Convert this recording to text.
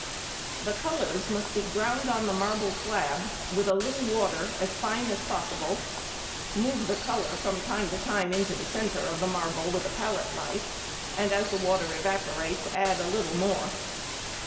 The colours must be ground on the marble slab with a little water, as fine as possible; move the colour from time to time into the centre of the marble with a palette knife, and as the water evaporates add a little more.